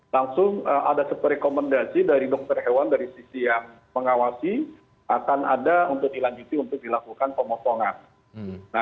langsung ada seperti rekomendasi dari dokter hewan dari sisi yang mengawasi akan ada untuk dilanjuti untuk dilakukan pemotongan